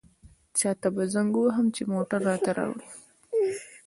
چاته به زنګ ووهم چې موټر راته راوړي.